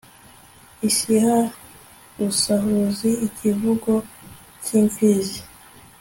isiha rusahuzi, icyivugo cy'imfizi